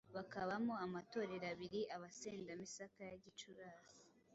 bakabamo amatorero abiri Abasenda-misaka ya Gicurasi :